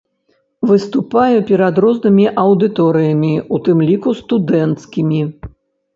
Выступаю перад рознымі аўдыторыямі, у тым ліку студэнцкімі.